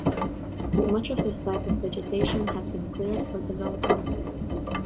Much of this type of vegetation has been cleared for development.